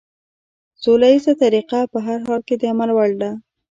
سوله ييزه طريقه په هر حال کې د عمل وړ ده.